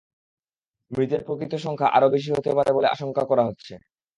মৃতের প্রকৃত সংখ্যা আরও বেশি হতে পারে বলে আশঙ্কা করা হচ্ছে।